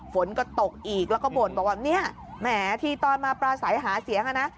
ฝนก็ตกอีกแล้วก็บ่นบอกว่าเนี่ยแหมที่ตอนมาปราศัยหาเสียงอะนะ